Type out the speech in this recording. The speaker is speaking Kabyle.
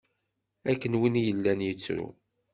Akken win yellan yettru.